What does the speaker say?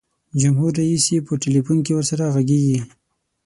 جمهور رئیس یې په ټلفون کې ورسره ږغیږي.